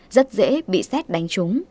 rất dễ bị xét đánh trúng